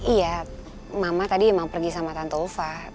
iya mama tadi emang pergi sama tante ulfa